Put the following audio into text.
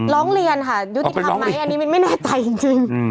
ร้องเรียนค่ะยุติธรรมไหมอันนี้มินไม่แน่ใจจริง